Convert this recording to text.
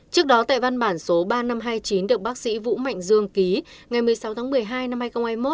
trước đó tại văn bản số ba nghìn năm trăm hai mươi chín được bác sĩ vũ mạnh dương ký ngày một mươi sáu tháng một mươi hai năm hai nghìn hai mươi một